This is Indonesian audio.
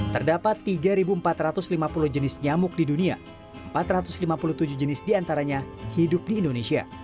terdapat tiga empat ratus lima puluh jenis nyamuk di dunia empat ratus lima puluh tujuh jenis diantaranya hidup di indonesia